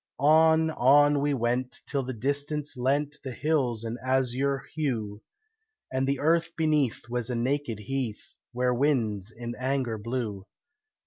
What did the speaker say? On, on we went, till the distance lent The hills an azure hue, And the earth beneath was a naked heath Where winds in anger blew.